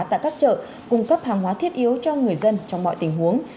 tại các chợ cung cấp hàng hóa thiết yếu cho người dân trong mọi tình huống